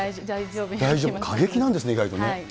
大丈夫、過激なんですね、意外と。